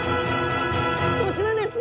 こちらです。